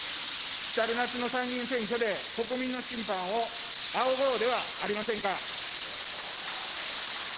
きたる夏の参議院選挙で、国民の審判を仰ごうではありませんか。